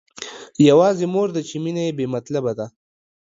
يوازې مور ده چې مينه يې بې مطلبه ده.